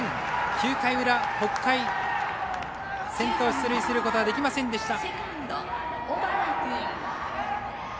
９回裏、北海先頭出塁することができませんでした。